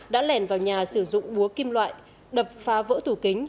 đã lẻn vào nhà sử dụng búa kim loại đập phá vỡ tủ kính